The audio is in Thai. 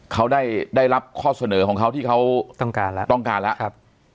เขาได้รับข้อเสนอของเขาที่เขาต้องการละ